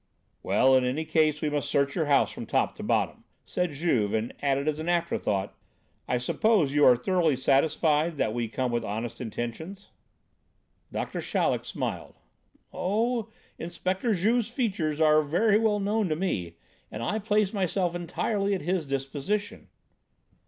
"Well, in any case we must search your house from top to bottom," said Juve, and added as an afterthought: "I suppose you are thoroughly satisfied that we come with honest intentions?" Doctor Chaleck smiled: "Oh! Inspector Juve's features are very well known to me, and I place myself entirely at his disposition."